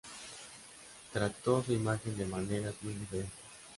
Trató su imagen de maneras muy diferentes.